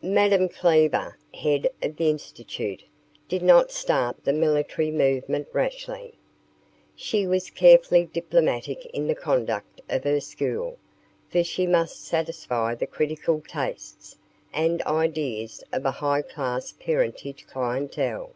Madame Cleaver, head of the Institute, did not start the military movement rashly. She was carefully diplomatic in the conduct of her school, for she must satisfy the critical tastes and ideas of a high class parentage clientele.